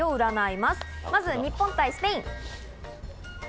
まず日本対スペイン。